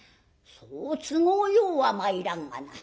「そう都合ようはまいらんがな。